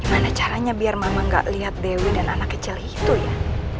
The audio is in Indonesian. gimana caranya biar mama gak liat dewi dan anak kecil ke colin